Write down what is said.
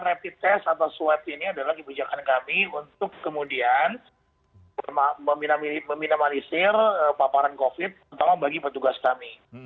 karena rapid test atau swab ini adalah kebijakan kami untuk kemudian meminam alisir paparan covid sembilan belas bagi petugas kami